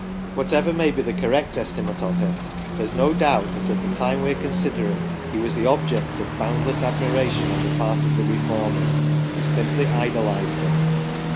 Whatever may be the correct estimate of him there is no doubt that at the time we are considering he was the object of boundless admiration on the part of the Reformers, who simply idolised him.